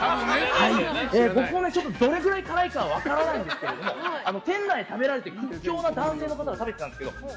僕もどれぐらい辛いかは分からないんですけど店内で屈強な男性が食べてたんですけどえ？